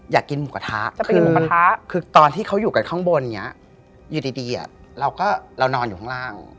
อยากกินหมูกระท้คือตอนที่เขาอยู่กันข้างบนอยู่ดีเรานอนอยู่ข้างล่าง